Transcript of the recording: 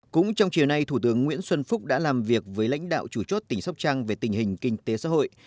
cũng trong chiều nay thủ tướng nguyễn xuân phúc đã làm việc với lãnh đạo chủ chốt tỉnh sóc trăng về tình hình kinh tế xã hội